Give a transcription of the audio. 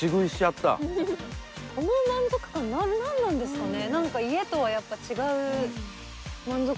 この満足感なんなんですかね？